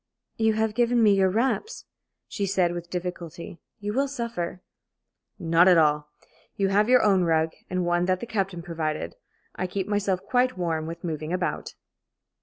"You have given me your wraps," she said, with difficulty. "You will suffer." "Not at all. You have your own rug, and one that the captain provided. I keep myself quite warm with moving about."